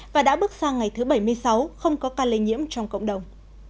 và đã bước sang ngày thứ bảy mươi sáu không có ca lây nhiễm trong cộng đồng